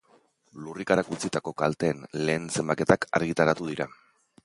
Lurrikarak utzitako kalteen lehen zenbaketak argitaratu dira.